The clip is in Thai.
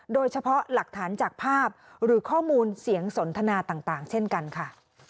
โดยเฉพาะหลักฐานจากภาพหรือข้อมูลเสียงสนทนาต่างเช่นกันค่ะ